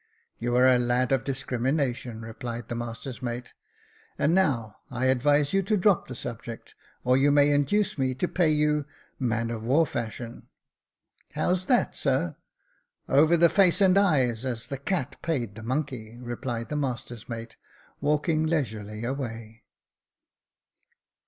" You are a lad of discrimination," replied the master's mate. " And now I advise you to drop the subject, or you may induce me to pay you ' man of war fashion.' " "How's that, sir?" " Over the face and eyes, as the cat paid the monkey," replied the master's mate, walking leisurely away.